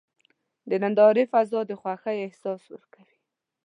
د نندارې فضا د خوښۍ احساس ورکوي.